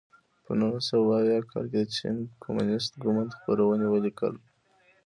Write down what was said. په نولس سوه اووه اویا کال کې د چین کمونېست ګوند خپرونې ولیکل.